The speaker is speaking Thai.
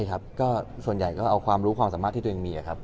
ครับก็ส่วนใหญ่ก็เอาความรู้ความสามารถที่ตัวเองมีครับ